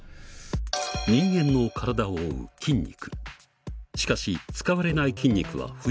人間の体を覆う筋肉。